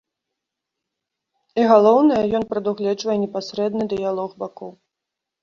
І, галоўнае, ён прадугледжвае непасрэдны дыялог бакоў.